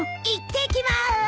いってきます！